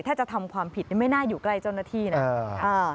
ถ้าจะทำความผิดนี่ไม่น่าอยู่ใกล้เจ้าหน้าที่นะ